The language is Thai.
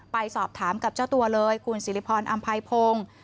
ไปสอบถามกับเจ้าตัวเลยคุณสิริพรอำไพพงศ์